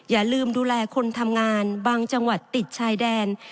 อย่าลืมดูแลคนทำงานบางจังหวัดติดชายแดน